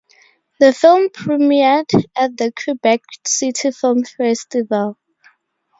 The film premiered at the Quebec City Film Festival.